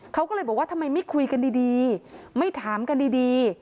เขาก็เลยบอกว่าทำไมไม่คุยกันดีไม่ถามกันดี